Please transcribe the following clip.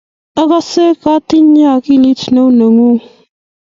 akose katinye akilit neu nengung.